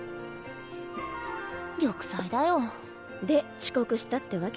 玉砕だよ。で遅刻したってわけか。